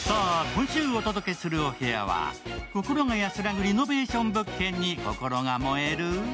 今週お届けするお部屋は心が安らぐリノベーション物件に心が燃える？